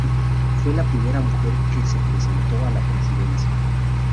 Fue la primera mujer que se presentó a la presidencia.